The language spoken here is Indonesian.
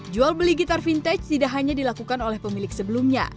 jual beli gitar vintage tidak hanya dilakukan oleh pemilik sebelumnya